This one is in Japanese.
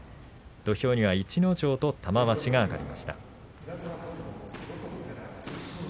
土俵には逸ノ城と玉鷲が上がりました。